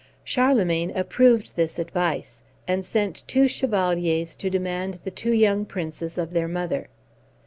Charlemagne approved this advice, and sent two chevaliers to demand the two young princes of their mother.